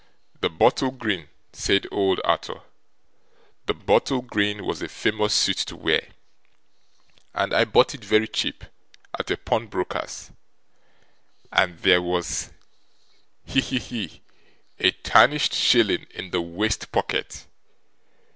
'The bottle green,' said old Arthur; 'the bottle green was a famous suit to wear, and I bought it very cheap at a pawnbroker's, and there was he, he, he! a tarnished shilling in the waistcoat pocket.